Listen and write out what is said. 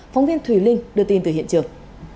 phóng viên thùy linh đưa tin từ hiện trường